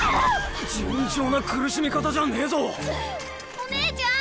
お姉ちゃん！